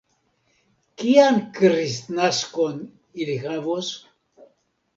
Kian kristnaskon ili havos?